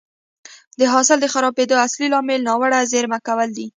د حاصل د خرابېدو اصلي لامل ناوړه زېرمه کول دي